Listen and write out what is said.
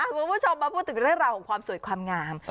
คุณผู้ชมมาพูดถึงเรื่องราวของความสวยความงาม